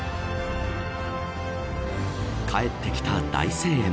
かえってきた大声援。